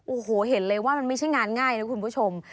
โอ้โหเห็นเลยว่ามันไม่ใช่งานง่ายนะคุณผู้ชม